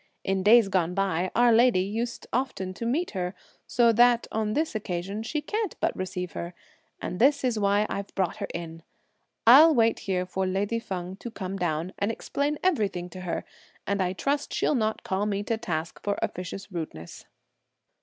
In days gone by, our lady used often to meet her, so that, on this occasion, she can't but receive her; and this is why I've brought her in! I'll wait here for lady Feng to come down, and explain everything to her; and I trust she'll not call me to task for officious rudeness."